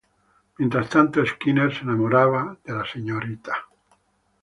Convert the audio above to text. Mientras tanto, Skinner se enamorará de la Srta.